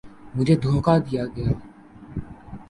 مجھے دھوکا دیا گیا ہے